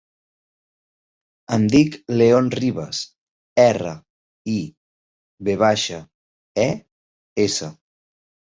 Em dic León Rives: erra, i, ve baixa, e, essa.